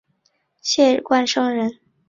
谢冠生人。